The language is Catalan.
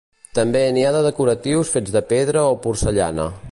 També n'hi ha de decoratius fets de pedra o porcellana.